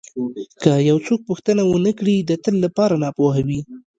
که یو څوک هېڅ پوښتنه ونه کړي د تل لپاره ناپوه وي.